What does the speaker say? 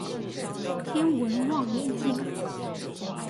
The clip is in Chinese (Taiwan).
天文望遠鏡